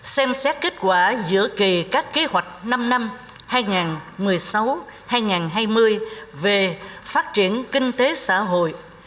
xem xét kết quả giữa kỳ các kế hoạch năm năm hai nghìn một mươi sáu hai nghìn hai mươi về phát triển kinh tế xã hội